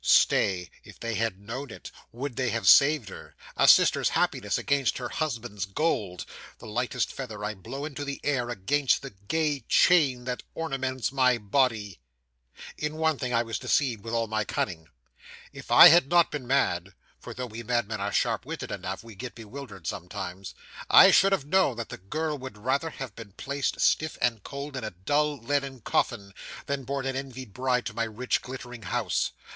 'Stay. If they had known it, would they have saved her? A sister's happiness against her husband's gold. The lightest feather I blow into the air, against the gay chain that ornaments my body! 'In one thing I was deceived with all my cunning. If I had not been mad for though we madmen are sharp witted enough, we get bewildered sometimes I should have known that the girl would rather have been placed, stiff and cold in a dull leaden coffin, than borne an envied bride to my rich, glittering house.